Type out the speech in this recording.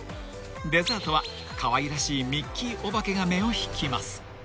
［デザートはかわいらしいミッキーお化けが目を引きます］